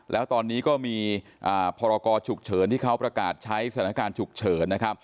แล้วตอนนี้ก็มีพรกรฉุกเฉินที่เขาประกาศใช้สถานการณ์ฉุกเฉิน